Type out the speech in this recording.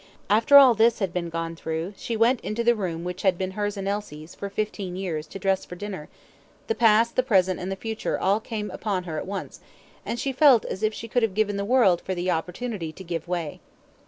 After all this had been gone through, and she went into the room which had been hers and Elsie's for fifteen years, to dress for dinner, the past, the present, and the future all came upon her at once, and she felt as if she could have given the world for the opportunity to give way.